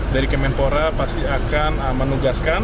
dari kemenpora pasti akan menugaskan